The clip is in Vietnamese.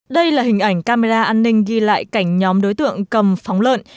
đây là hình ảnh camera an ninh ghi lại cảnh nhóm đối tượng cầm phóng lợn